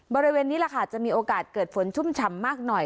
บริเวณนี้แหละค่ะจะมีโอกาสเกิดฝนชุ่มฉ่ำมากหน่อย